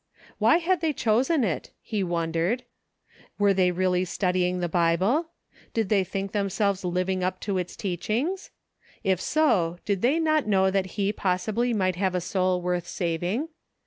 Why had they chosen it ? he wondered. Were they really study ing the Bible } Did they think themselves living up to its teachings ? If so, did they not know that he possibly might have a soul worth saving